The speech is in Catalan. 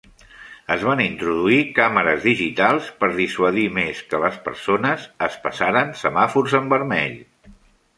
Es van introduir càmeres digitals per dissuadir més que les persones es passaren semàfors en vermell.